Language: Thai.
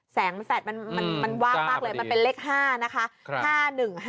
แสงแฟลตมันว่างมากเลยมันเป็นเลข๕นะคะ